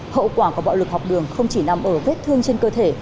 hậu quả của bạo lực học đường không chỉ nằm ở vết thương trên cơ thể